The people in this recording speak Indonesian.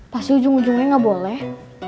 pasti ujung ujungnya gak boleh